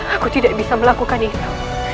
aku tidak bisa melakukan itu